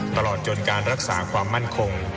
ตลอดจนการรักษาความมั่นคง